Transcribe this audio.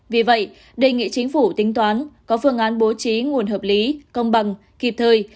vì vậy đề nghị chính phủ tính toán có phương án bố trí nguồn hợp lý công bằng kịp thời